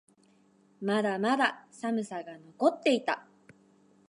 まだまだ寒さが残っていた。